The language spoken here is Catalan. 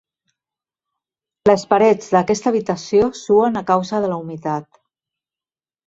Les parets d'aquesta habitació suen a causa de la humitat.